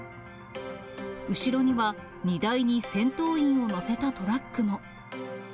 後ろには、荷台に戦闘員を乗せたトラックも。